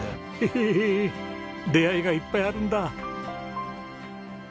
へえ出会いがいっぱいあるんだ。